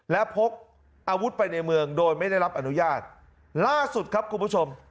และพกอาวุธไปในเมืองโดยไม่ได้รับอนุญาตล่าสุดครับคุณผู้ชม